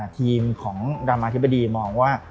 ทีมของรามาธิบดีมองว่า